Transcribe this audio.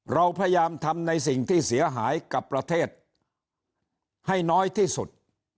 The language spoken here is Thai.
เราพยายามทำในสิ่งที่เสียหายกับประเทศให้น้อยที่สุด